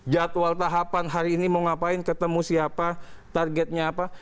jadwal tahapan hari ini mau ngapain ketemu siapa targetnya apa